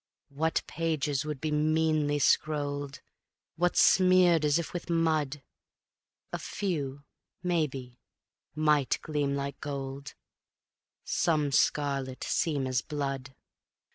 What pages would be meanly scrolled; What smeared as if with mud; A few, maybe, might gleam like gold, Some scarlet seem as blood.